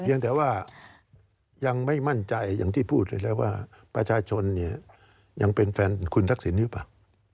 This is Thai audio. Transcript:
ยังแต่ว่ายังไม่มั่นใจอย่างที่พูดเลยแล้วว่าประชาชนเนี่ยยังเป็นแฟนคุณทักษิณหรือเปล่า